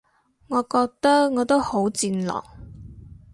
我覺得我都好戰狼